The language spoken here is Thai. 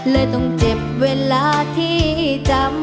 เลยต้องเจ็บเวลาที่จำ